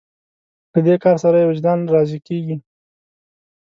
له دې کار سره یې وجدان راضي کېږي.